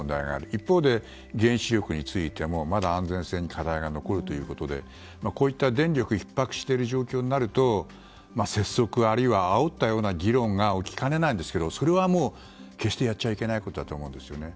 一方で、原子力についてもまだ安全性に課題が残るということで電力がひっ迫している状況になると節足あるいはあおったような議論が起きかねないんですけどそれは決してやっちゃいけないことだと思うんですよね。